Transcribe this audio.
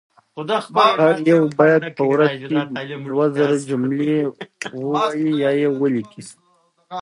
ازادي راډیو د مالي پالیسي د اغیزو په اړه مقالو لیکلي.